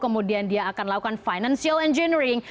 kemudian dia akan melakukan financial engineering